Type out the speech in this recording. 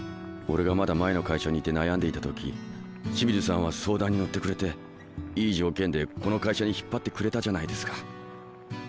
俺がまだ前の会社にいて悩んでいた時清水さんは相談に乗ってくれていい条件でこの会社に引っ張ってくれたじゃないですか。